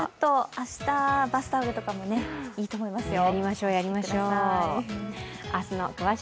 明日、バスタオルとかもいいと思いますよ。